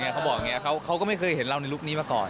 เขาบอกอย่างนี้เขาก็ไม่เคยเห็นเราในลุคนี้มาก่อน